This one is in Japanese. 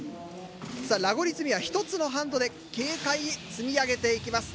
さあラゴリ積みは１つのハンドで軽快に積み上げていきます。